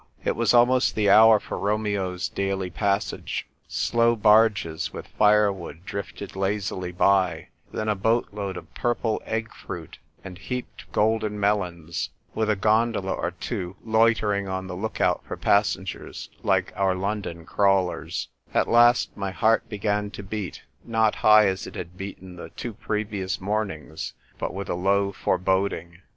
It was almost the hour for Romeo's daily passage. Slow barges with firewood drifted lazily by, then a boat load of purple egg fruit and heaped golden melons, with a gondola or two loitering on the look out for passengers, like our London crawlers, 244 THE TYPE WRITER GIRL. At last my heart began to beat, not high as it had beaten the two previous mornings, but with a low foreboding.